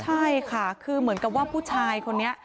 ใช่ค่ะคือเหมือนกับว่าผู้ชายคนนี้